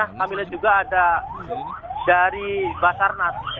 kami lihat juga ada dari basarnas